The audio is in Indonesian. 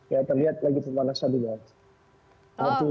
ya terlihat lagi pemanasan di bawah